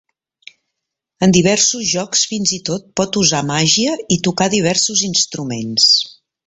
En diversos jocs fins i tot pot usar màgia i tocar diversos instruments.